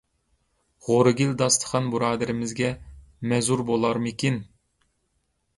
غورىگىل داستىخان بۇرادىرىمىزگە مەزۇر بولارمىكىن؟